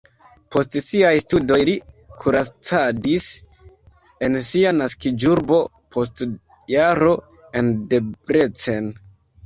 Post siaj studoj li kuracadis en sia naskiĝurbo, post jaro en Debrecen.